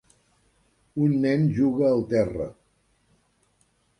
Un nen juga al terra.